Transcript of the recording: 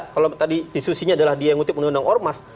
kalau tadi diskusinya adalah dia yang ngutip undang undang ormas